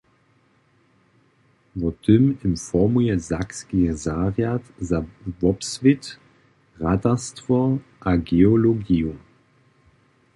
Wo tym informuje sakski zarjad za wobswět, ratarstwo a geologiju.